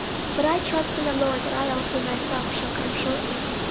50:002:024 But I trust in the Lord that I also myself shall come shortly.